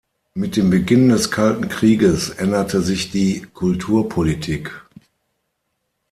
Mit dem Beginn des Kalten Krieges änderte sich die Kulturpolitik.